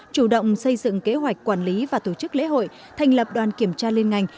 chủ động xây dựng kế hoạch quản lý và tổ chức lễ hội thành lập đoàn kiểm tra liên ngành